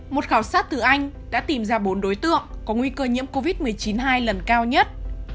một khảo sát từ anh đã tìm ra bốn đối tượng có nguy cơ nhiễm covid một mươi chín hai lần cao nhất